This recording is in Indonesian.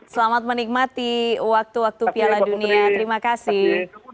selamat menikmati waktu waktu piala dunia terima kasih